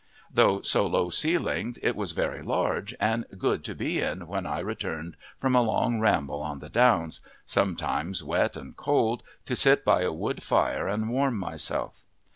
Though so low ceilinged it was very large and good to be in when I returned from a long ramble on the downs, sometimes wet and cold, to sit by a wood fire and warm myself.